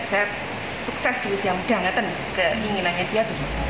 saya harus sukses di usia muda ngeten keinginannya dia